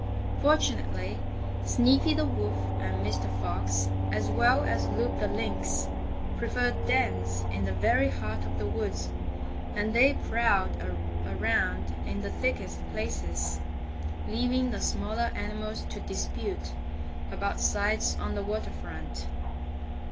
Fortunately Sneaky the Wolf and Mr. Fox, as well as Loup the Lynx, preferred dens in the very heart of the woods, and they prowled around in the thickest places, leaving the smaller animals to dispute about sites on the water front.